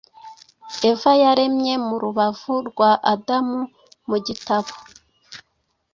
Eva yaremye mu rubavu rwa Adamu mu gitabo